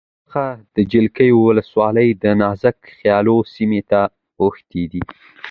څخه د جلگې ولسوالی دنازک خیلو سیمې ته اوښتې ده